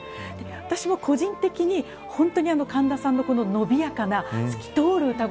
私も個人的に神田さんの伸びやかな透き通る歌声